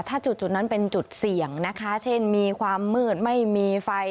ถ้าจุดนั้นเป็นจุดเสี่ยงนะคะเช่นมีความมืดไม่มีไฟ